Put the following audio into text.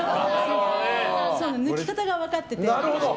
抜き方が分かってて。